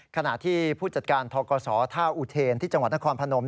ขณะที่ผู้จัดการทกศท่าอุเทนที่จังหวัดนครพนม